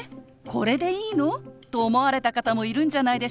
これでいいの？」と思われた方もいるんじゃないでしょうか。